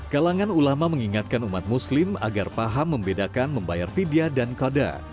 kalangan ulama mengingatkan umat muslim agar paham membedakan membayar vidya dan koda